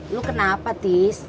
lu kenapa tis